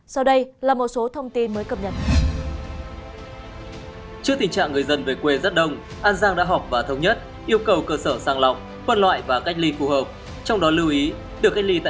sau đây là một số thông tin mới cập nhật